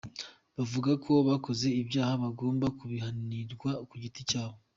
Bavuga ko abakoze ibyaha bagomba kubihanirwa ku giti cyabo.